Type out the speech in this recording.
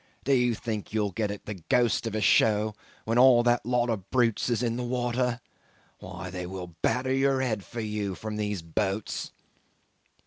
do you think you'll get the ghost of a show when all that lot of brutes is in the water? Why, they will batter your head for you from these boats."